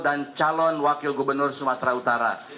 dan calon wakil gubernur sumatera utara